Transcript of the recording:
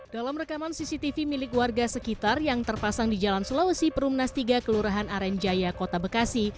dalam rekaman cctv milik warga sekitar yang terpasang di jalan sulawesi perumnas tiga kelurahan arenjaya kota bekasi